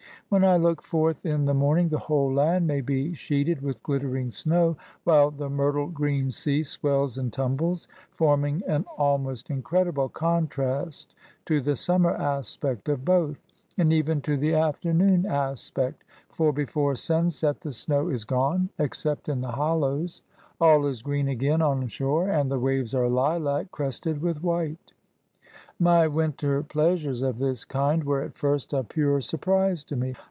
When I look forth in the morning, the whole land may be sheeted with glittering snow, while the myrtle green sea sweUs and tumbles, forming an almost incredible contrast to the summer aspect of both, and even to the afternoon aspect ; for before sunset the snow is gone, except in the hollows ; all is green again on shore, and the waves are lilac, crested with white. My winter pleasures of this kind were, at first, a pure surprise to me.